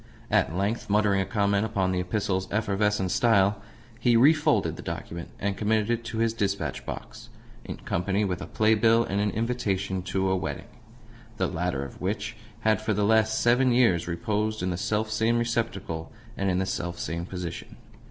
At length, muttering a comment upon the epistle's efflorescent style, he refolded the document, and committed it to his dispatch box in company with a play bill and an invitation to a wedding the latter of which had for the last seven years reposed in the self same receptacle and in the self same position.